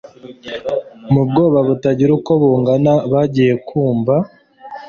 mu bwoba butagira uko bungana bagiye kumva